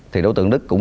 thì đối tượng đức cũng